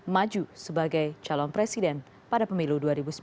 maju sebagai calon presiden pada pemilu dua ribu sembilan belas